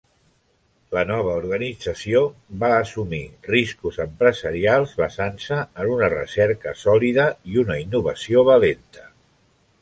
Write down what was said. La nova organització va assumir riscos empresarials basant-se en una recerca sòlida i una innovació valenta.